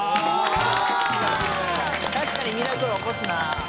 たしかにミラクルおこすな。